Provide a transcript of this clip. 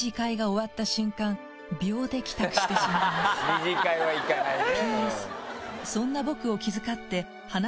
二次会は行かないね。